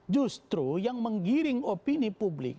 justru yang menggiring opini publik